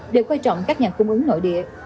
đều quan trọng các nhà cung ứng nội địa